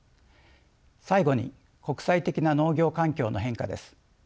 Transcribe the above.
最後に国際的な農業環境の変化です。